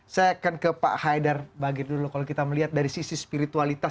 saya akan ke pak haidar bagir dulu kalau kita melihat dari sisi spiritualitas